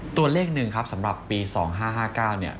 ตัวเลขหนึ่งครับสำหรับปี๒๕๕๙เนี่ย